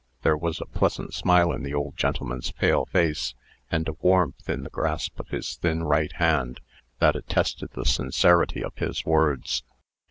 There was a pleasant smile in the old gentleman's pale face, and a warmth in the grasp of his thin right hand, that attested the sincerity of his words.